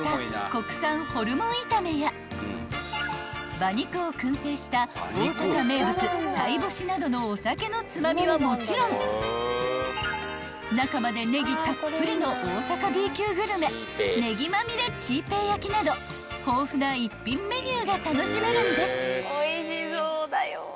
［馬肉を薫製した大阪名物さいぼしなどのお酒のつまみはもちろん中までネギたっぷりの大阪Ｂ級グルメ葱まみれチー平焼きなど豊富な一品メニューが楽しめるんです］